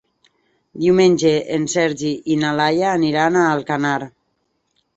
Diumenge en Sergi i na Laia aniran a Alcanar.